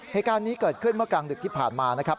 เหตุการณ์นี้เกิดขึ้นเมื่อกลางดึกที่ผ่านมานะครับ